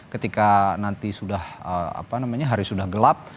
ketika nanti sudah hari sudah gelap